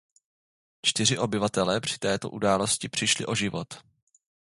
Čtyři obyvatelé při této události přišli o život.